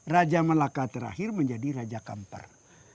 raja malaka terakhir menjadi raja kampar